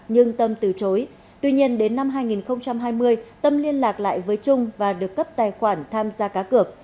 nhưng tâm từ chối tuy nhiên đến năm hai nghìn hai mươi tâm liên lạc lại với trung và được cấp tài khoản tham gia cá cược